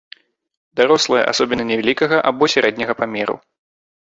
Дарослыя асобіны невялікага або сярэдняга памеру.